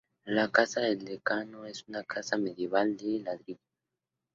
La casa del decano es una casa medieval de ladrillo.